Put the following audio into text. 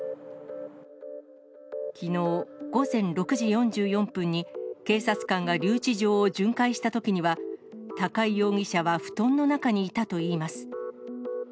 きのう午前６時４４分に、警察官が留置場を巡回したときには、高井容疑者は布団の中にいたといいます。